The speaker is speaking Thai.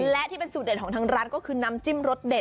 และที่เป็นสูตรเด็ดของทางร้านก็คือน้ำจิ้มรสเด็ด